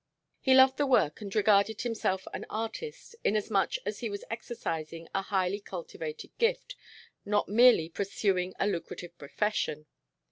He loved the work and regarded himself as an artist, inasmuch as he was exercising a highly cultivated gift, not merely pursuing a lucrative profession.